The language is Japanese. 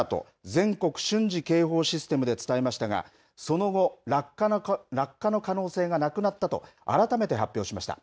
全国瞬時警報システムで伝えましたがその後、落下の可能性がなくなったと改めて発表しました。